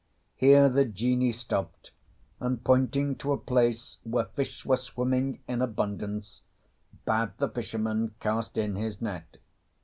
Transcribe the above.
Here the Genie stopped, and pointing to a place where fish were swimming in abundance bade the fisherman cast in his net.